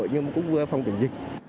nhưng cũng vừa phòng tổng dịch